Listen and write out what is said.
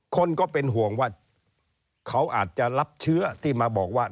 คนก็เป็นห่วงว่าเขาอาจจะรับเชื้อที่มาบอกว่า